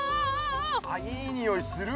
あっいいにおいするわ。